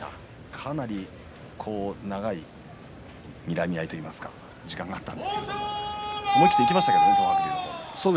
かなり長いにらみ合いといいますか時間があったんですが思い切っていきましたけどね